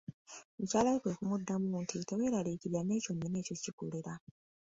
Mukyala we kwe kumuddamu nti, teweeralikiirira n'ekyo nyina eky'okikolera.